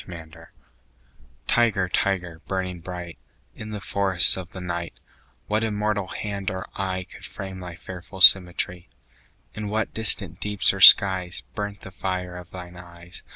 The Tiger TIGER, tiger, burning bright In the forests of the night, What immortal hand or eye Could frame thy fearful symmetry? In what distant deeps or skies 5 Burnt the fire of thine eyes?